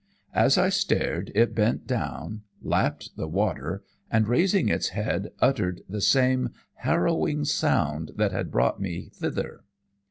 As I stared it bent down, lapped the water, and raising its head, uttered the same harrowing sound that had brought me thither.